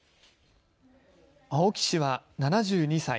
青木氏は７２歳。